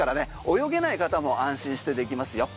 泳げない方も安心してできますよ。